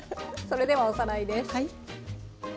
それではおさらいです。